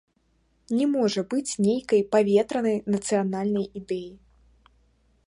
Не можа быць нейкай паветранай нацыянальнай ідэі.